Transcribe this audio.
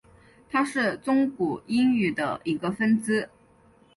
它是中古英语的一个分支。